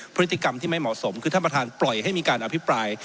พฤติกรรมที่ไม่เหมาะสมคือท่านประธานปล่อยให้มีการอภิปราย